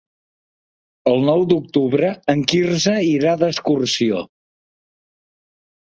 El nou d'octubre en Quirze irà d'excursió.